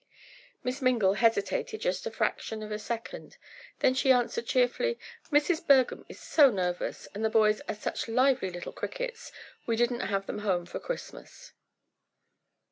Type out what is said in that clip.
Miss Mingle hesitated just the fraction of a second, then she answered cheerfully: "Mrs. Bergham is so nervous, and the boys are such lively little crickets, we didn't have them home for Christmas."